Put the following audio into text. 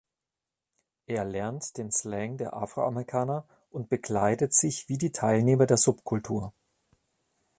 Er lernt den Slang der Afroamerikaner und bekleidet sich wie die Teilnehmer der Subkultur.